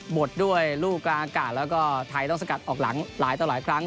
ดด้วยลูกกลางอากาศแล้วก็ไทยต้องสกัดออกหลังหลายต่อหลายครั้ง